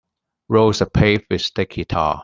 Roads are paved with sticky tar.